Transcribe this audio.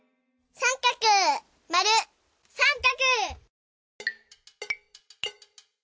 三角丸三角。